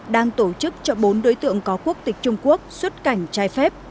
đang tổ chức cho bốn đối tượng có quốc tịch trung quốc xuất cảnh trái phép